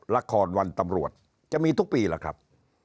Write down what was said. ละครวันตำรวจจะมีทุกปีล่ะครับ